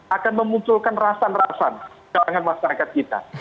akan memunculkan rasan rasan dalam masyarakat kita